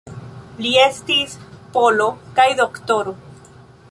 Li estis polo kaj doktoro.